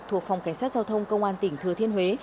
thuộc phòng cảnh sát giao thông công an tỉnh thừa thiên huế